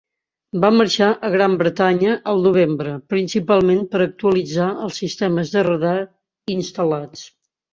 Va marxar a Gran Bretanya al novembre, principalment per actualitzar els sistemes de radar instal·lats.